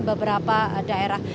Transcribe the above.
titik pertemuan beberapa daerah